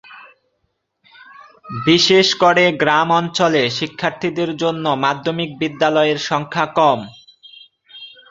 বিশেষ করে গ্রামাঞ্চলে শিক্ষার্থীদের জন্য মাধ্যমিক বিদ্যালয়ের সংখ্যা কম।